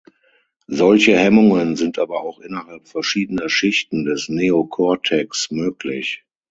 Solche Hemmungen sind aber auch innerhalb verschiedener Schichten des Neocortex möglich.